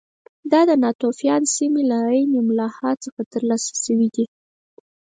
دا د ناتوفیان سیمې له عین ملاحا څخه ترلاسه شوي دي